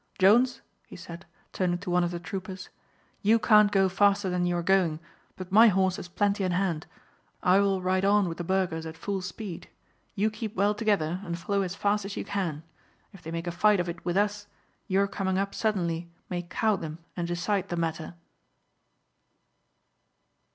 "Jones," he said, turning to one of the troopers, "you can't go faster than you are going, but my horse has plenty in hand. I will ride on with the burghers at full speed; you keep well together and follow as fast as you can. If they make a fight of it with us, your coming up suddenly may cow them and decide the matter."